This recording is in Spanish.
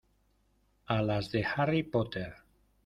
a las de Harry Potter.